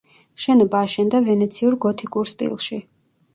შენობა აშენდა ვენეციურ გოთიკურ სტილში.